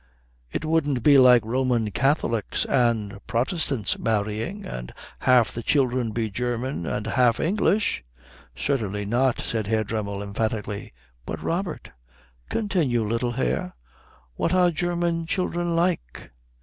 "It wouldn't be like Roman Catholics and Protestants marrying, and half the children be German and half English?" "Certainly not," said Herr Dremmel emphatically. "But Robert " "Continue, little hare." "What are German children like?"